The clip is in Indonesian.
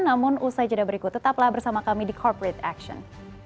namun usai jeda berikut tetaplah bersama kami di corporate action